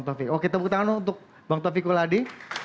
taufik oke tepuk tangan untuk bang taufik kuladi